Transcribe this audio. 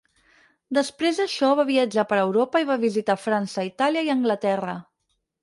Després d'això, va viatjar per Europa i va visitar França, Itàlia i Anglaterra.